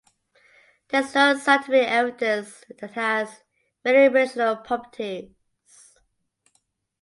There is no scientific evidence that it has any medicinal properties.